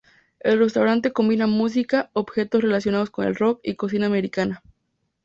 El restaurante combina música, objetos relacionados con el rock y cocina americana.